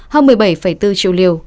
hơn một mươi bảy bốn triệu liều